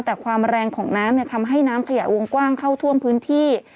แต่ความแรงของน้ำทำให้น้ำขยะวงกว้างเข้าท่วมพื้นที่